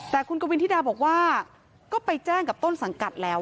แต่คุณกวินธิดาบอกว่าก็ไปแจ้งกับต้นสังกัดแล้ว